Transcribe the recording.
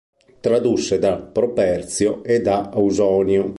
Tradusse da Properzio e da Ausonio.